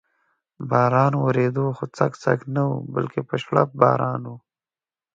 باران ورېده، خو څک څک نه و، بلکې په شړپ باران و.